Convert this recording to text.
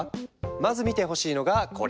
まず見てほしいのがこれ。